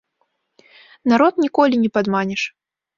Народ ніколі не падманеш.